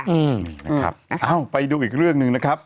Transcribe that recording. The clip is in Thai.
อ้าวไปดูอีกเรื่องหนึ่งนะครับ